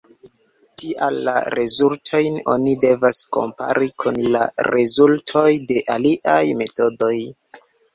Tial la rezultojn oni devas kompari kun la rezultoj de aliaj metodoj.